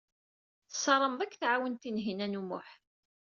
Tessarameḍ ad k-tɛawen Tinhinan u Muḥ.